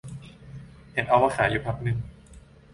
เห็นเอามาขายอยู่พักนึง